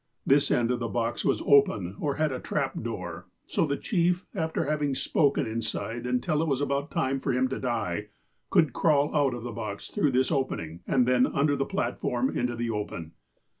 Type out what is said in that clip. This end of the box was open, or had a trap door, so the chief, after having spoken inside, until it was about time for him to die, could crawl out of the box through this opening, and then under the platform into the open.